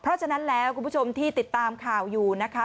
เพราะฉะนั้นแล้วคุณผู้ชมที่ติดตามข่าวอยู่นะคะ